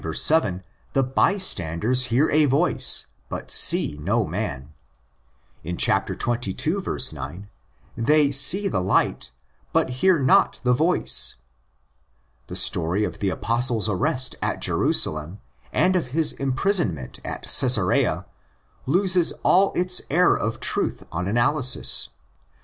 7 the bystanders hear the voice, but see no man; in xxii. 9 they see the light, but hear not the voice. The story of the Apostle's arrest at Jerusalem and of his imprisonment at Cxsarea loses all its air of truth on analysis.